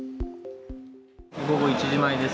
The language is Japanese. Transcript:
午後１時前です